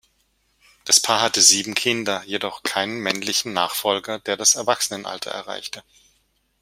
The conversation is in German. Das Paar hatte sieben Kinder, jedoch keinen männlichen Nachfolger, der das Erwachsenenalter erreichte.